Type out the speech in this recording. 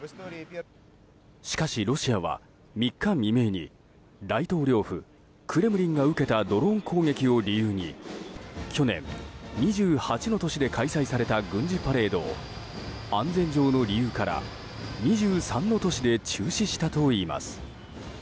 しかし、ロシアは３日未明に大統領府クレムリンが受けたドローン攻撃を理由に去年２８の都市で開催された軍事パレードを安全上の理由から２３の都市で中止したといいます。